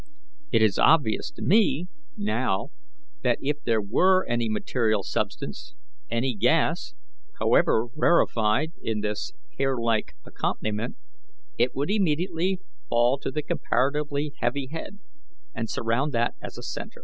It is obvious to me now that if there were any material substance, any gas, however rarefied, in this hairlike accompaniment, it would immediately fall to the comparatively heavy head, and surround that as a centre."